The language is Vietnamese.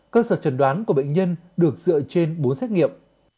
cơ sở trần đoán của bệnh nhân được dựa trên bốn xét nghiệm